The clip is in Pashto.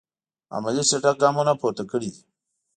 عملي چټک ګامونه پورته کړی دي.